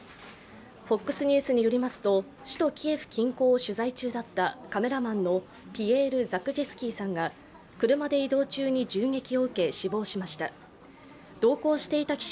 ＦＯＸニュースによりますと首都キエフ近郊を取材中だったカメラマンのピエール・ザクジェスキーさんが車で移動中に銃撃を受け死亡しました。